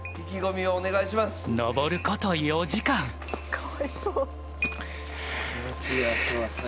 かわいそう。